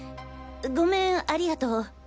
ごめんありがとう。